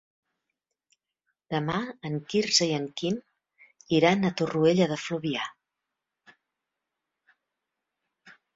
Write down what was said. Demà en Quirze i en Guim iran a Torroella de Fluvià.